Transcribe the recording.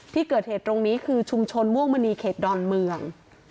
ที่เกิดเหตุตรงนี้คือชุมชนม่วงมณีเขตดอนเมือง